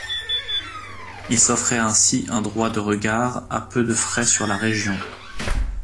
Il s'offrait ainsi un droit de regard à peu de frais sur la région.